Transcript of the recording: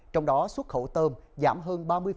trong đó xuất khẩu tôm giảm hơn ba mươi